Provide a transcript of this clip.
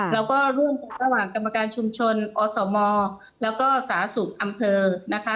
เราก็ร่วมกันระหว่างกรรมการชุมชนอสโมแล้วก็สาศุกร์อำเภอนะคะ